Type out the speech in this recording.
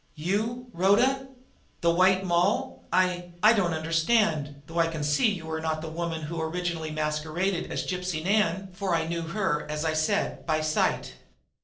"You Rhoda! The White Moll! I I don't understand, though I can see you are not the woman who originally masqueraded as Gypsy Nan, for I knew her, as I said, by sight."